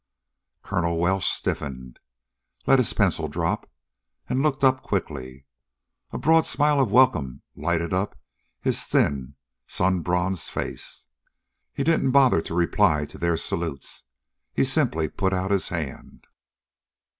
Colonel Welsh stiffened, let his pencil drop, and looked up quickly. A broad smile of welcome lighted up his thin, sun bronzed face. He didn't bother to reply to their salutes. He simply put out his hand.